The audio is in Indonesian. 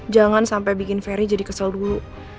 jangan sampai bikin ferry jadi kesel dulu